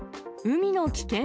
海の危険